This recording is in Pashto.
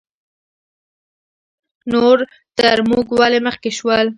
نور تر موږ ولې مخکې شول؟